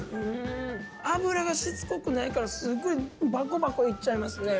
脂がしつこくないからすごいバコバコいっちゃいますね。